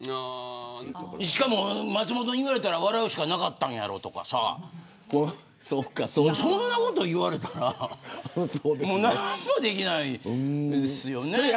しかも、松本に言われたら笑うしかなかったやろとかそんなこと言われたら何もできないですよね。